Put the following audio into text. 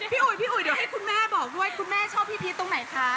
อุ๋ยพี่อุ๋ยเดี๋ยวให้คุณแม่บอกด้วยคุณแม่ชอบพี่พีชตรงไหนคะ